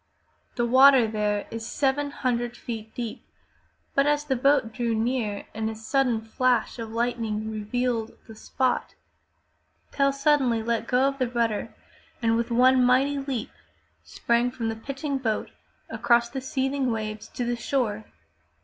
The water there is seven hundred feet deep, but as the boat drew near and a sudden flash of lightning revealed the spot, Tell suddenly let go of the rudder and with one mighty leap sprang from the pitching boat across the seething waves to the shore.